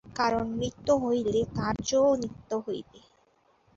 কারণ নিত্য হইলে কার্যও নিত্য হইবে।